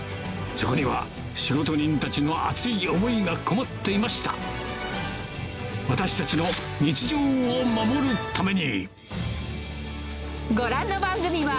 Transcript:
そこには仕事人たちの熱い思いがこもっていました私たちの日常を守るためにご覧の番組は